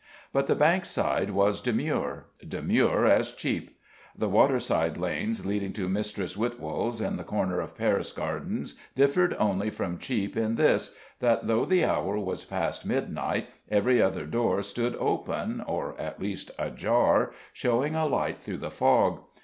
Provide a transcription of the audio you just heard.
But the Bankside was demure; demure as Chepe. The waterside lanes leading to Mistress Witwold's at the corner of Paris Gardens differed only from Chepe in this that though the hour was past midnight, every other door stood open or at least ajar, showing a light through the fog.